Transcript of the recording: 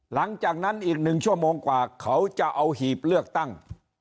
หลังจากนั้นอีก๑ชั่วโมงกว่าเขาจะเอาหีบเลือกตั้ง